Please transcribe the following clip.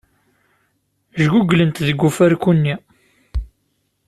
Jguglent deg ufarku-nni.